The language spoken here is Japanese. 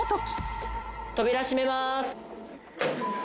扉閉めます。